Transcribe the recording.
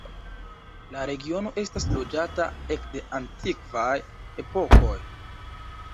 La regiono estas loĝata ekde antikvaj epokoj.